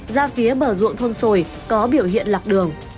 ra phía bờ ruộng thôn sồi có biểu hiện lạc đường